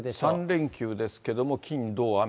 ３連休ですけれども、金、土、雨。